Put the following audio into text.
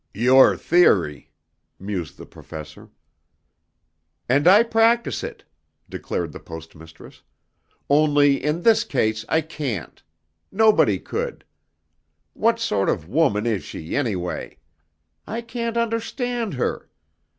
"Your Theory," mused the Professor. "And I practice it," declared the Post Mistress. "Only in this case I can't. Nobody could. What sort of woman is she, anyway? I can't understand her.